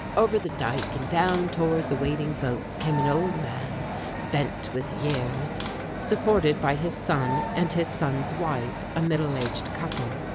Over the dike and down toward the waiting boats came an old man, bent with years, supported by his son and his son's wife a middle aged couple.